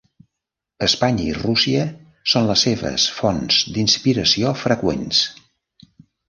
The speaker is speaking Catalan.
Espanya i Rússia són les seves fonts d'inspiració freqüents.